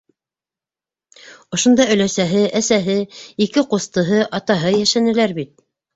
Ошонда өләсәһе, әсәһе, ике ҡустыһы, атаһы йәшәнеләр бит!